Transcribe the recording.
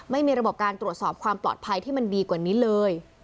ไม่มีระบบการตรวจสอบความปลอดภัยที่มันดีกว่านี้เลย